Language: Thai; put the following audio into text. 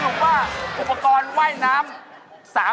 แม้ก็สนุกว่าอุปกรณ์ไหว้น้ำ